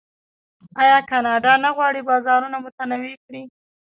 آیا کاناډا نه غواړي بازارونه متنوع کړي؟